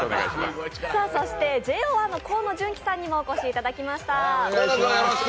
そしてＪＯ１の河野純喜さんにもお越しいただきました。